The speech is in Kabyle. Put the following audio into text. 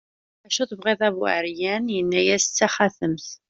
acu tebɣiḍ a bu ɛeryan, yenna-as d taxatemt